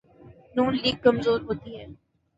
ن لیگ کمزور ہوتی ہے۔